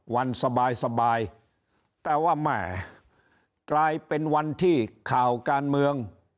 วันสบายแต่ว่าแม่กลายเป็นวันที่ข่าวการเมือง